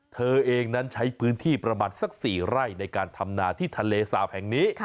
เธอเองนั้นใช้พื้นที่ประมาณสัก๔ไร่ในการทำนาที่ทะเลสาปแห่งนี้